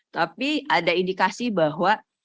tapi ada indikasi bahwa